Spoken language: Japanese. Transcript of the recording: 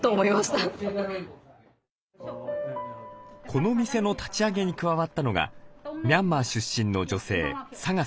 この店の立ち上げに加わったのがミャンマー出身の女性サガさん。